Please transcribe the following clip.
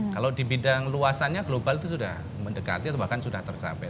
kalau di bidang luasannya global itu sudah mendekati atau bahkan sudah tercapai